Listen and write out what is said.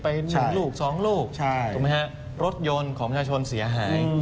ไปหนึ่งลูกสองลูกรถยนต์ของชาวชนเสียหาย